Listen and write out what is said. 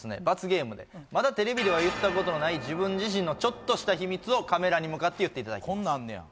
罰ゲームでまだテレビでは言ったことのない自分自身のちょっとした秘密をカメラに向かって言っていただきます